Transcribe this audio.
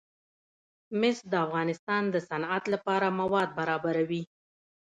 مس د افغانستان د صنعت لپاره مواد برابروي.